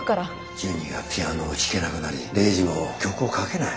ジュニがピアノを弾けなくなりレイジも曲を書けない。